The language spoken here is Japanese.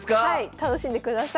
楽しんでください。